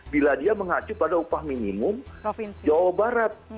bila dia mengacu pada upah minimum jawa barat